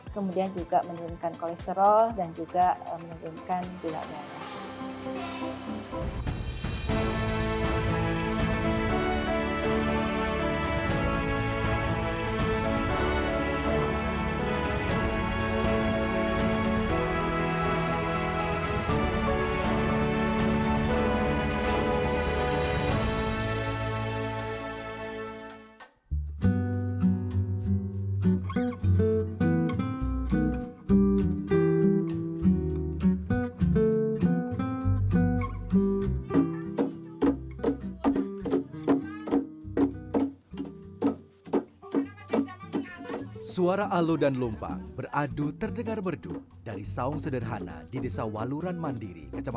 kemudian juga menurunkan kolesterol dan juga menurunkan gula darah